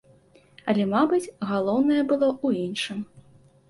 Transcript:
Але, мабыць, галоўнае было ў іншым.